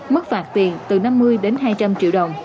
mức phạt tiền từ năm mươi đến hai trăm linh triệu đồng